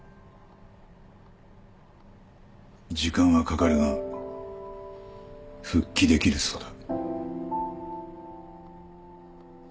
時間はかかるが復帰できるそうだ。